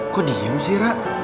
kok diem sih ra